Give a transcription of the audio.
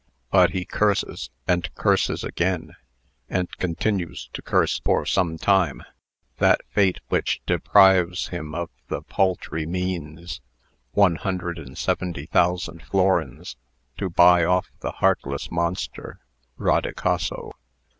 But he curses and curses again and continues to curse for some time that Fate which deprives him of the "paltry means" (one hundred and seventy thousand florins) to buy off the "heartless monster" (Rodicaso).